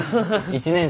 １年生？